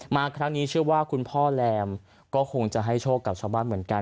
มาครั้งนี้เชื่อว่าคุณพ่อแรมก็คงจะให้โชคกับชาวบ้านเหมือนกัน